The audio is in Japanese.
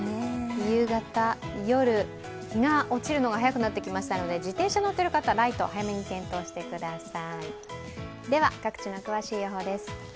夕方、夜、日が落ちるのが早くなってきたので自転車に乗ってる方、ライト、早めに点灯してください。